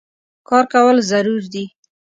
کار کول ضرور دي